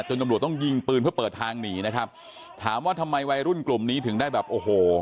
ตำรวจต้องยิงปืนเพื่อเปิดทางหนีนะครับถามว่าทำไมวัยรุ่นกลุ่มนี้ถึงได้แบบโอ้โห